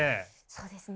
そうですね。